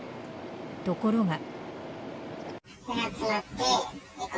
ところが。